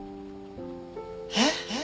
えっ？